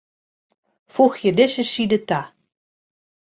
Foegje dizze side ta.